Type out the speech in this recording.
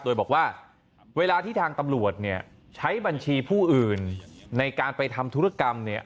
โดยบอกว่าเวลาที่ทางตำรวจเนี่ยใช้บัญชีผู้อื่นในการไปทำธุรกรรมเนี่ย